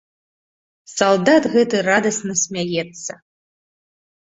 Салдат гэты радасна смяецца.